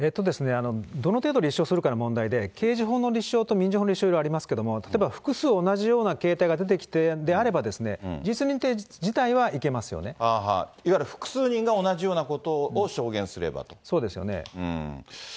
どの程度立証するかの問題で、刑事法の立証と民事法の立証、ありましたけれども、例えば複数同じような形態が出ているのであれば、事実認定自体はいわゆる複数人が同じようなそうですよね。